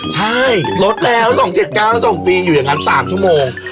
ใช่ลดแล้ว๒๗๙๒ปีอยู่อย่างนั้น๓ชั่วโมง